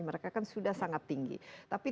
mereka kan sudah sangat tinggi tapi